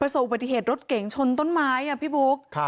ประสบอุบัติเหตุรถเก่งชนต้นไม้พี่บุ๊ก